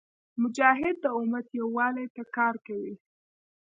مجاهد د امت یووالي ته کار کوي.